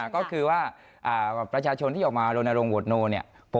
ก็คือว่าประชาชนที่ออกมาโรนโรงโหวตโนเนี่ย